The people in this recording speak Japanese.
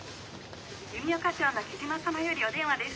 ☎弓丘町の雉真様よりお電話です。